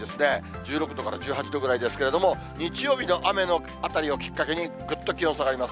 １６度から１８度ぐらいですけれども、日曜日の雨のあたりをきっかけに、ぐっと気温下がります。